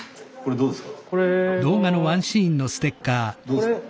どうですか？